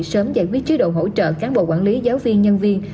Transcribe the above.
sớm giải quyết chế độ hỗ trợ cán bộ quản lý giáo viên nhân viên